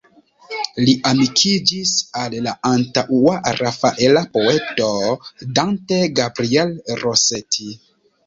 Li amikiĝis al la antaŭ-rafaela poeto Dante Gabriel Rossetti.